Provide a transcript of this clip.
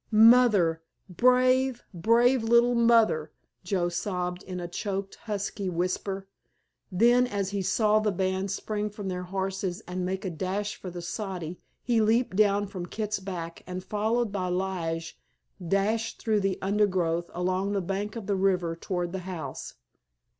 "Mother—brave, brave little Mother!" Joe sobbed in a choked, husky whisper. Then as he saw the band spring from their horses and make a dash for the soddy he leaped down from Kit's back, and followed by Lige dashed through the undergrowth along the bank of the river toward the house.